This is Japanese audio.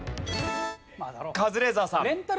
カズレーザーさん。